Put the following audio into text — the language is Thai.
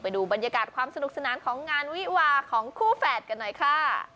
ดูบรรยากาศความสนุกสนานของงานวิวาของคู่แฝดกันหน่อยค่ะ